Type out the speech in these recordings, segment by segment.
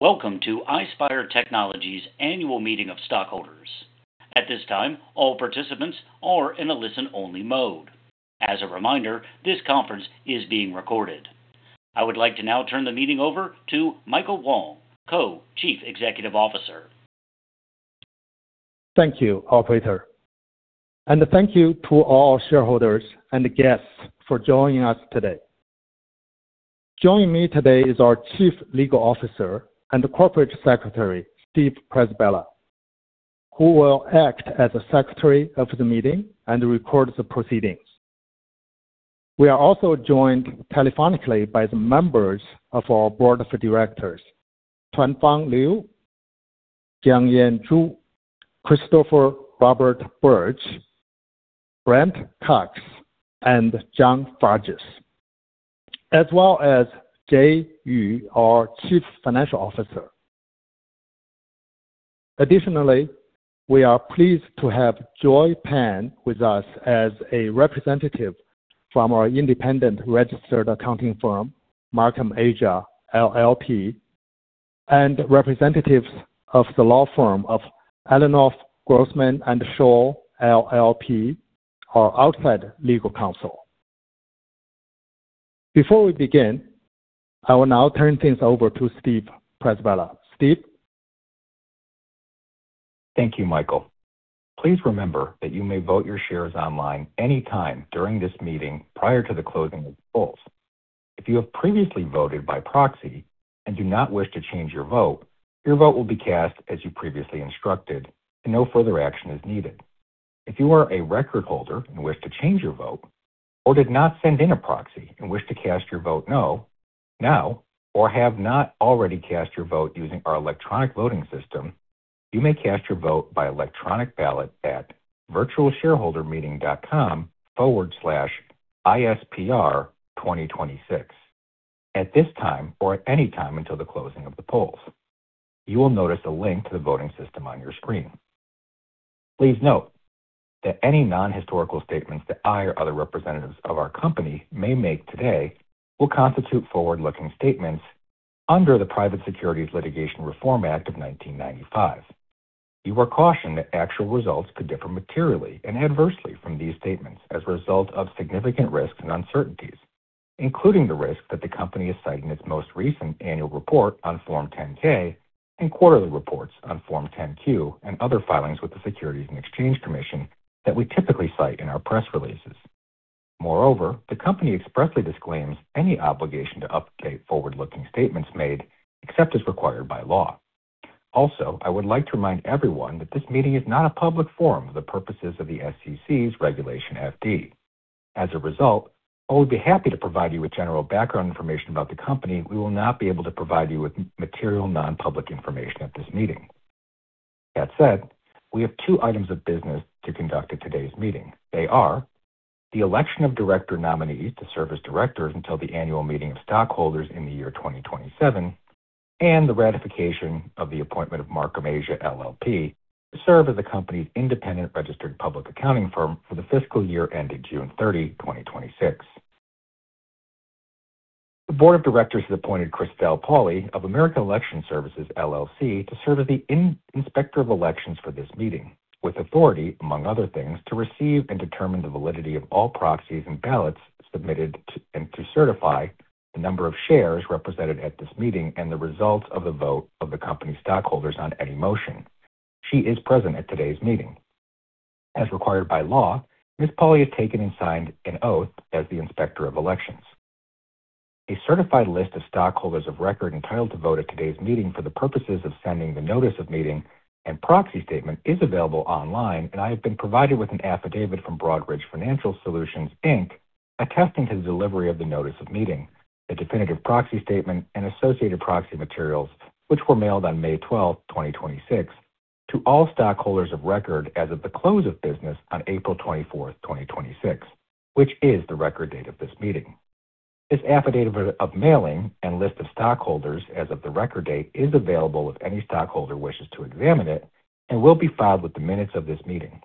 Welcome to Ispire Technology's annual meeting of stockholders. At this time, all participants are in a listen-only mode. As a reminder, this conference is being recorded. I would like to now turn the meeting over to Michael Wang, Co-Chief Executive Officer. Thank you, operator, and thank you to all our shareholders and guests for joining us today. Joining me today is our Chief Legal Officer and Corporate Secretary, Steven Przybyla, who will act as the secretary of the meeting and record the proceedings. We are also joined telephonically by the members of our board of directors, Tuanfang Liu, Jiangyan Zhu, Christopher Robert Burch, Brent Cox, and John Fargis, as well as Jay Yu, our Chief Financial Officer. Additionally, we are pleased to have Joy Pan with us as a representative from our independent registered accounting firm, Marcum Asia CPAs LLP, and representatives of the law firm of Olshan Frome Wolosky LLP, our outside legal counsel. Before we begin, I will now turn things over to Steven Przybyla. Steven? Thank you, Michael. Please remember that you may vote your shares online any time during this meeting prior to the closing of the polls. If you have previously voted by proxy and do not wish to change your vote, your vote will be cast as you previously instructed, and no further action is needed. If you are a record holder and wish to change your vote, or did not send in a proxy and wish to cast your vote now, or have not already cast your vote using our electronic voting system, you may cast your vote by electronic ballot at virtualshareholdermeeting.com/ispr2026 at this time or at any time until the closing of the polls. You will notice a link to the voting system on your screen. Please note that any non-historical statements that I or other representatives of our company may make today will constitute forward-looking statements under the Private Securities Litigation Reform Act of 1995. You are cautioned that actual results could differ materially and adversely from these statements as a result of significant risks and uncertainties, including the risks that the company is citing its most recent annual report on Form 10-K and quarterly reports on Form 10-Q and other filings with the Securities and Exchange Commission that we typically cite in our press releases. Moreover, the company expressly disclaims any obligation to update forward-looking statements made, except as required by law. Also, I would like to remind everyone that this meeting is not a public forum for the purposes of the SEC's Regulation FD. As a result, while we'd be happy to provide you with general background information about the company, we will not be able to provide you with material non-public information at this meeting. That said, we have two items of business to conduct at today's meeting. They are the election of director nominees to serve as directors until the annual meeting of stockholders in the year 2027, and the ratification of the appointment of Marcum Asia LLP to serve as the company's independent registered public accounting firm for the fiscal year ending June 30, 2026. The board of directors has appointed Christal Pawley of American Election Services, LLC to serve as the inspector of elections for this meeting with authority, among other things, to receive and determine the validity of all proxies and ballots submitted, and to certify the number of shares represented at this meeting and the results of the vote of the company stockholders on any motion. She is present at today's meeting. As required by law, Ms. Pawley has taken and signed an oath as the inspector of elections. A certified list of stockholders of record entitled to vote at today's meeting for the purposes of sending the notice of meeting and proxy statement is available online. I have been provided with an affidavit from Broadridge Financial Solutions, Inc., attesting to the delivery of the notice of meeting, the definitive proxy statement, and associated proxy materials, which were mailed on May 12th, 2026, to all stockholders of record as of the close of business on April 24th, 2026, which is the record date of this meeting. This affidavit of mailing and list of stockholders as of the record date is available if any stockholder wishes to examine it and will be filed with the minutes of this meeting.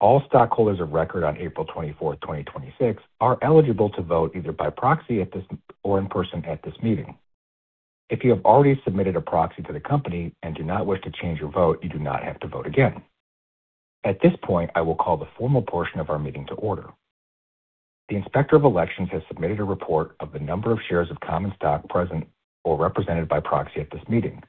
All stockholders of record on April 24th, 2026, are eligible to vote either by proxy or in person at this meeting. If you have already submitted a proxy to the company and do not wish to change your vote, you do not have to vote again. At this point, I will call the formal portion of our meeting to order. The inspector of elections has submitted a report of the number of shares of common stock present or represented by proxy at this meeting.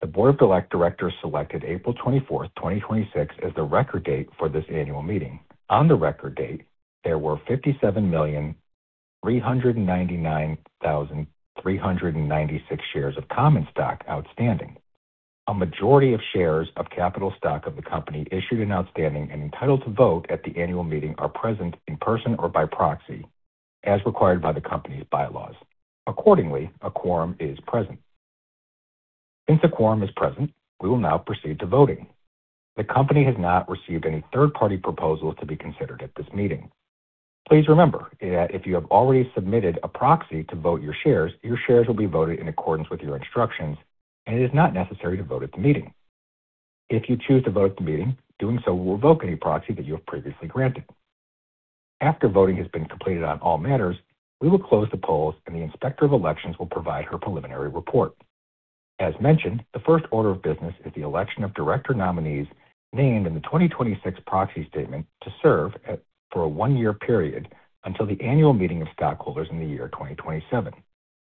The board of directors selected April 24th, 2026, as the record date for this annual meeting. On the record date, there were 57,399,396 shares of common stock outstanding. A majority of shares of capital stock of the company issued and outstanding and entitled to vote at the annual meeting are present in person or by proxy, as required by the company's bylaws. Accordingly, a quorum is present. A quorum is present, we will now proceed to voting. The company has not received any third-party proposals to be considered at this meeting. Please remember that if you have already submitted a proxy to vote your shares, your shares will be voted in accordance with your instructions, and it is not necessary to vote at the meeting. If you choose to vote at the meeting, doing so will revoke any proxy that you have previously granted. After voting has been completed on all matters, we will close the polls and the Inspector of Elections will provide her preliminary report. As mentioned, the first order of business is the election of director nominees named in the 2026 proxy statement to serve for a one-year period until the annual meeting of stockholders in the year 2027.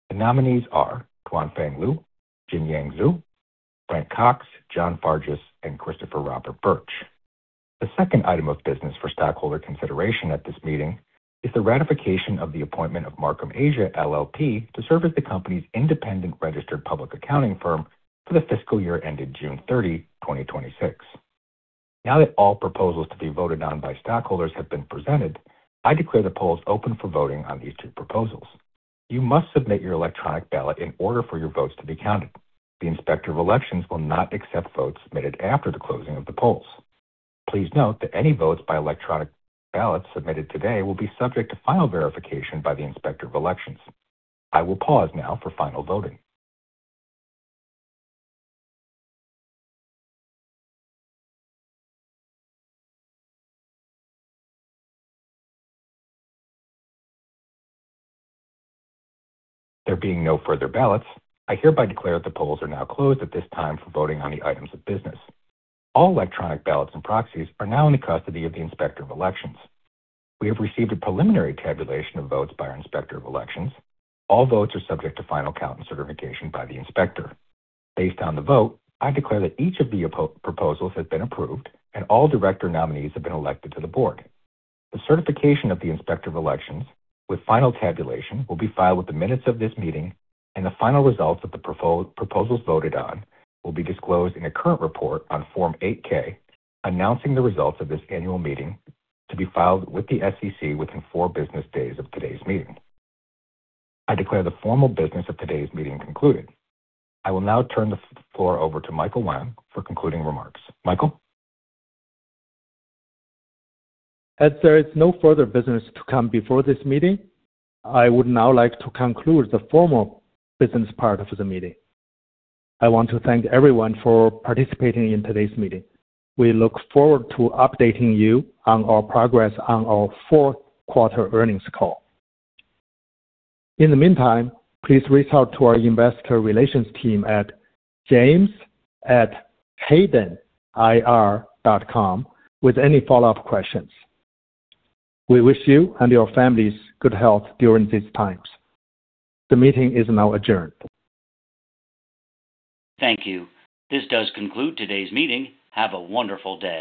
The nominees are Tuanfang Liu, Jiangyan Zhu, Brent Cox, John Fargis, and Christopher Robert Burch. The second item of business for stockholder consideration at this meeting is the ratification of the appointment of Marcum Asia CPAs LLP to serve as the company's independent registered public accounting firm for the fiscal year ended June 30, 2026. All proposals to be voted on by stockholders have been presented, I declare the polls open for voting on these two proposals. You must submit your electronic ballot in order for your votes to be counted. The Inspector of Elections will not accept votes submitted after the closing of the polls. Please note that any votes by electronic ballots submitted today will be subject to final verification by the Inspector of Elections. I will pause now for final voting. There being no further ballots, I hereby declare the polls are now closed at this time for voting on the items of business. All electronic ballots and proxies are now in the custody of the Inspector of Elections. We have received a preliminary tabulation of votes by our Inspector of Elections. All votes are subject to final count and certification by the inspector. Based on the vote, I declare that each of the proposals has been approved and all director nominees have been elected to the board. The certification of the Inspector of Elections with final tabulation will be filed with the minutes of this meeting, and the final results of the proposals voted on will be disclosed in a current report on Form 8-K announcing the results of this annual meeting to be filed with the SEC within four business days of today's meeting. I declare the formal business of today's meeting concluded. I will now turn the floor over to Michael Wang for concluding remarks. Michael? That said, there is no further business to come before this meeting, I would now like to conclude the formal business part of the meeting. I want to thank everyone for participating in today's meeting. We look forward to updating you on our progress on our fourth quarter earnings call. In the meantime, please reach out to our investor relations team at james@haydenir.com with any follow-up questions. We wish you and your families good health during these times. The meeting is now adjourned. Thank you. This does conclude today's meeting. Have a wonderful day